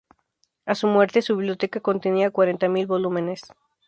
A su muerte, su biblioteca contenía cuarenta mil volúmenes.